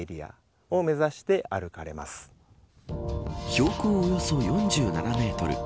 標高およそ４７メートル